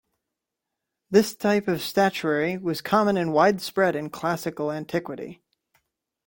This type of statuary was common and widespread in Classical antiquity.